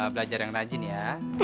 belajar yang rajin ya